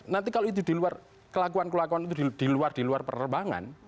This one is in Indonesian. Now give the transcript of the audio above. nanti kalau itu di luar kelakuan kelakuan itu di luar di luar penerbangan